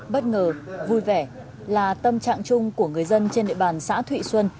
bất ngờ vui vẻ là tâm trạng chung của người dân trên địa bàn xã thụy xuân